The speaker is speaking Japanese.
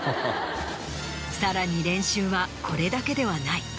さらに練習はこれだけではない。